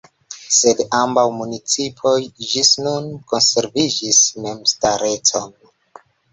Sed ambaŭ municipoj ĝis nun konserviĝis memstarecon.